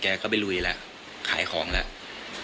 ก็ไม่ลุยแล้วขายของแล้ว